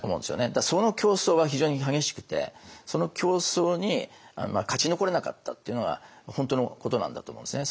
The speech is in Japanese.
だからその競争は非常に激しくてその競争に勝ち残れなかったっていうのは本当のことなんだと思うんですね。